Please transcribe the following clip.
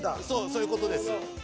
そういう事です。